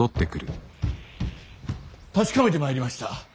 確かめてまいりました。